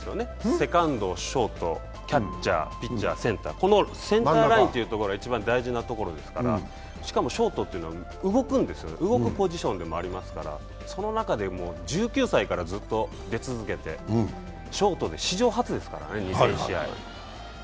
セカンド、ショート、キャッチャー、ピッチャーセンター、このセンターラインっていうのが一番大事ですからしかもショートというのは動くんですよね、動くポジションでもありますから、その中で１９歳からずっと出続けて、ショートで史上初ですからね、２０００試合。